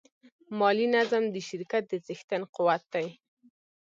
مالي نظم د شرکت د څښتن قوت دی.